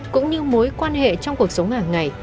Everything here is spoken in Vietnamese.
cũng như mối quan hệ trong cuộc sống hàng ngày